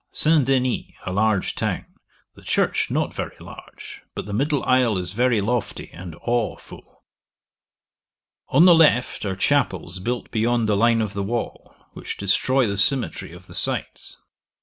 St. Denis, a large town; the church not very large, but the middle isle is very lofty and aweful. On the left are chapels built beyond the line of the wall, which destroy the symmetry of the sides.